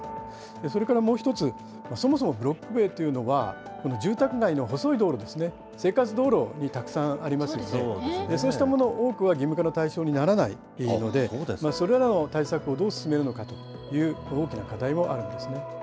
それからもう一つ、そもそもブロック塀というのは、住宅街の細い道路ですね、生活道路にたくさんありますよね、そうしたものの多くは義務化の対象にならないので、それらの対策をどう進めるのかという大きな課題もあるようですね。